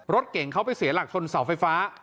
รถเก่งเขาไปเสียหลักชนเสาไฟฟ้า